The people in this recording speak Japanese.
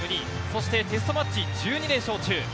そしてテストマッチ１２連勝中